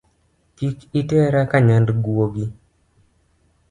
Kik itera ka nyand guogi